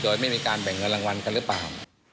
โดยไม่มีการแบ่งเงินรางวัลกันหรือเปล่า